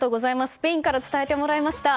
スペインから伝えてもらいました。